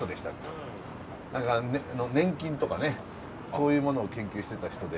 何か粘菌とかねそういうものを研究してた人で。